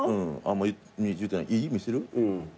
いい？見せる？